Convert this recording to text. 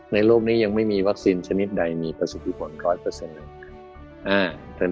โลกนี้ยังไม่มีวัคซีนชนิดใดมีประสิทธิผล๑๐๐เลยครับ